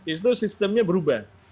itu sistemnya berubah